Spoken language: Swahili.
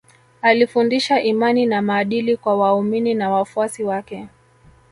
Alifundisha imani na maadili kwa waaumini na wafuasi wake